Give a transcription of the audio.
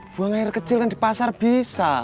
buang air kecil kan di pasar bisa